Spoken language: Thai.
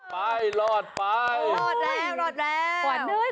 ไปรอดไป